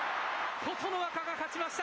琴ノ若が勝ちました。